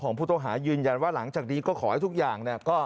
ของพวกต่อหายืนยันว่าหลังจากนี้ก็ขอให้ทุกอย่างนะฮะ